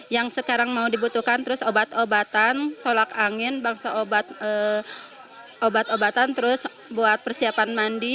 yang sekarang mau dibutuhkan terus obat obatan tolak angin bangsa obat obatan terus buat persiapan mandi